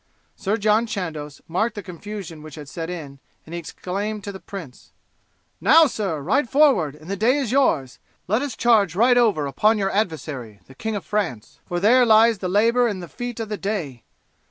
Sir John Chandos marked the confusion which had set in, and he exclaimed to the prince: "Now, sir, ride forward, and the day is yours. Let us charge right over upon your adversary, the King of France, for there lies the labour and the feat of the day.